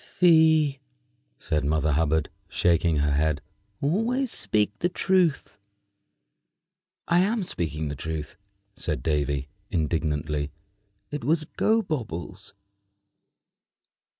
"Fie!" said Mother Hubbard, shaking her head; "always speak the truth." "I am speaking the truth," said Davy, indignantly. "It was Gobobbles."